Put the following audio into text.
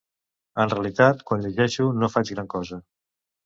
En realitat quan llegeixo no faig gran cosa.